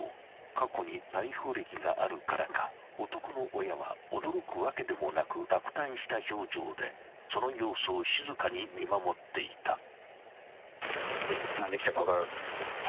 ［過去に逮捕歴があるからか男の親は驚くわけでもなく落胆した表情でその様子を静かに見守っていた］